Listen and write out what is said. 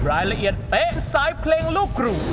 รายละเอียดเป๊ะสายเพลงลูกครู